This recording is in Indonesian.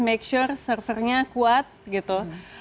make sure servernya kuat gitu